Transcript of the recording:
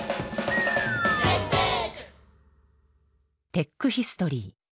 テックヒストリー。